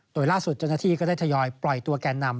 โดยล่าสุดเจ้าหน้าที่ก็ได้ทยอยปล่อยตัวแก่นำ